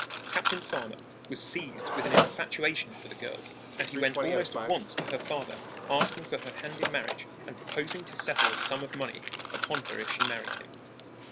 Captain Farmer was seized with an infatuation for the girl, and he went almost at once to her father, asking for her hand in marriage and proposing to settle a sum of money upon her if she married him.